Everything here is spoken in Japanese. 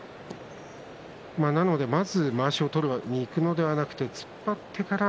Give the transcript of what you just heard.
まず、まわしを取りにいくのではなくて突っ張ってから。